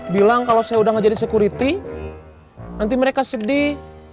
bilang kalau saya udah gak jadi security nanti mereka sedih